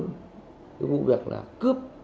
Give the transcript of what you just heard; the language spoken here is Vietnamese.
cái vụ việc là cướp